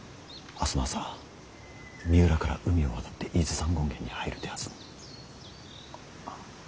明日の朝三浦から海を渡って伊豆山権現に入る手はずに。